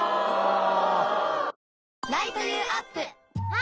あ！